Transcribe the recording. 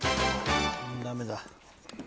ダメだ。